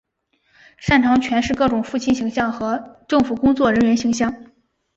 擅长诠释各种父亲形象和政府工作人员形象。